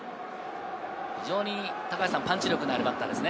非常にパンチ力のあるバッターですね。